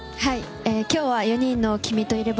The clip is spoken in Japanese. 今日は４人の「君といれば」